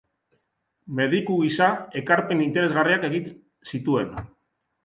Mediku gisa, ekarpen interesgarriak egin zituen.